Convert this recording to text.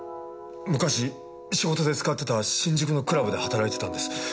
昔仕事で使ってた新宿のクラブで働いてたんです。